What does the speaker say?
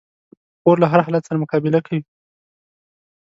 خور له هر حالت سره مقابله کوي.